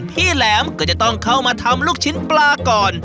แหลมก็จะต้องเข้ามาทำลูกชิ้นปลาก่อน